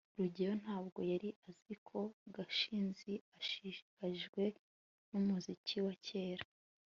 rugeyo ntabwo yari azi ko gashinzi ashishikajwe numuziki wa kera